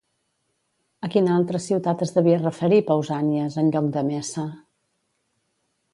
A quina altra ciutat es devia referir Pausànies, en lloc de Messa?